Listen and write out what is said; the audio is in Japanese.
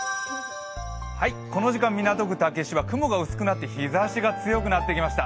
この時間、港区竹芝、雲が薄くなって日ざしが強くなってきました。